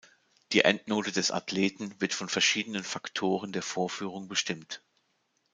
Die Endnote des Athleten wird von verschiedenen Faktoren der Vorführung bestimmt.